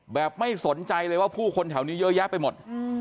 ไม่สนใจเลยว่าผู้คนแถวนี้เยอะแยะไปหมด